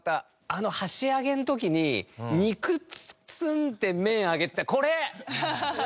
あの箸上げの時に肉包んで麺上げてたこれ！